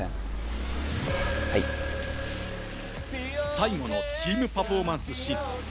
最後のチーム・パフォーマンス審査。